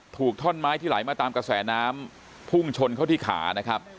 ท่อนไม้ที่ไหลมาตามกระแสน้ำพุ่งชนเข้าที่ขานะครับ